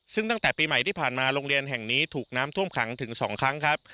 ซึ่งตั้งแต่ปีใหม่ที่ผ่านมาโรงเรียนแห่งนี้ถูกน้ำท่วมขังถึง๒ครั้งครับ